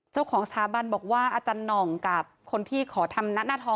เจ้าของสถาบันบอกว่าอาจารย์หน่องกับคนที่ขอทำหน้าทอ